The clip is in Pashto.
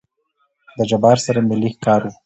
د جبار سره مې لېږ کار وو.